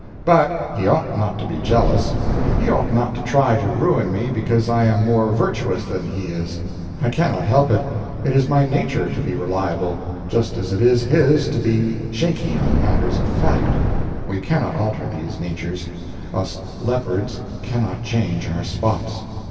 But he ought not to be jealous; he ought not to try to ruin me because I am more virtuous than his is; I cannot help it—it is my nature to be reliable, just as it is his to be shaky on matters of fact—we cannot alter these natures—us leopards cannot change our spots.